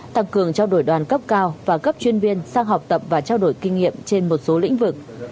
tăng cường trao đổi đoàn cấp cao và cấp chuyên viên sang học tập và trao đổi kinh nghiệm trên một số lĩnh vực